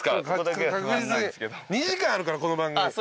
２時間あるからこの番組。